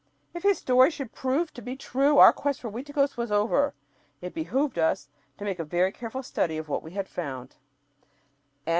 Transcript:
If his story should prove to be true our quest for Uiticos was over. It behooved us to make a very careful study of what we had found.